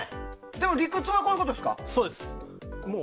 でも理屈はこういうことですか。